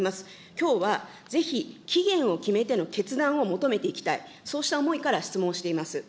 きょうはぜひ、期限を決めての決断を求めていきたい、そうした思いから質問をしています。